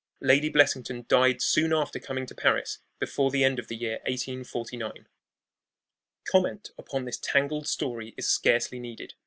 Lady Blessington died soon after coming to Paris, before the end of the year 1849. Comment upon this tangled story is scarcely needed.